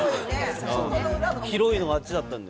広いのあっちだったんで。